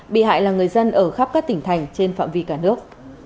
bị hại là người dân ở khắp các tỉnh thành trên phạm vi cả nước